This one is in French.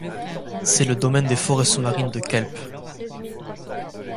C’est le domaine des forêts sous-marines de kelp.